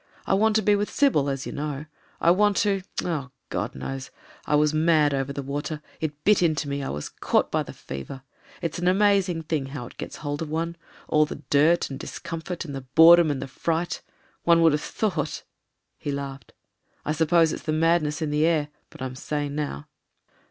I want to be with Sybil, as you know; I want to— oh! God knows! I was mad over the water — it bit into me; I was caught by the fever. It's an amazing thing how it gets hold of one. All the dirt and discomfort, and the boredom and the fright — one would have thought ..." He laughed. "I suppose it's the mad ness in the air. But I'm sane now."